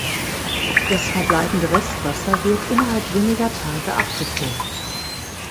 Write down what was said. Das verbleibende Restwasser wird innerhalb weniger Tage abgepumpt.